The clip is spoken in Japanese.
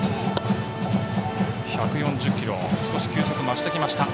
１４０キロと少し球速が増してきました。